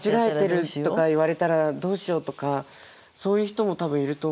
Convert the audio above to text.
間違えてるとか言われたらどうしようとかそういう人も多分いると思うんですよね。